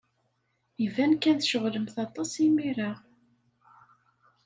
Iban kan tceɣlemt aṭas imir-a.